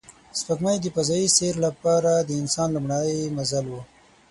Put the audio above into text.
سپوږمۍ د فضایي سیر لپاره د انسان لومړی منزل و